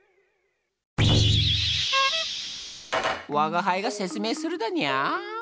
わがはいが説明するだにゃー。